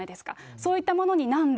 そういったものになんで？